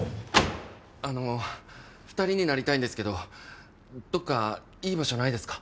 あの２人になりたいんですけどどっかいい場所ないですか？